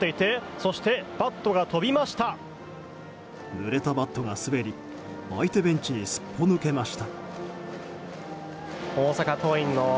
ぬれたバットが滑り相手ベンチへすっぽ抜けました。